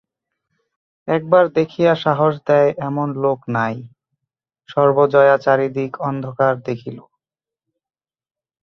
একবার দেখিয়া সাহস দেয় এমন লোক নাই, সর্বজয়া চারিদিক অন্ধকার দেখিল।